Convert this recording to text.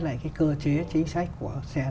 lại cái cơ chế chính sách của xe